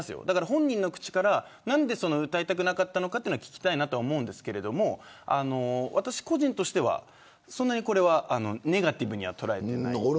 本人の口から何で歌いたくなかったのかは聞きたいと思いますが私個人としてはそんなにネガティブには捉えてないです。